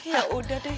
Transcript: ya udah deh